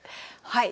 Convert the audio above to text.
はい。